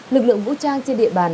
lực lượng vũ trang trên địa bàn